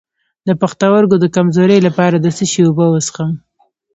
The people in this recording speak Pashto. د پښتورګو د کمزوری لپاره د څه شي اوبه وڅښم؟